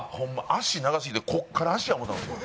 脚長すぎてここから脚や思うたんですよ。